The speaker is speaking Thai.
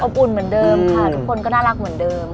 อุ่นเหมือนเดิมค่ะทุกคนก็น่ารักเหมือนเดิม